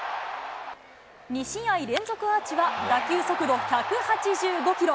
２試合連続アーチは、打球速度１８５キロ。